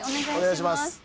お願いします。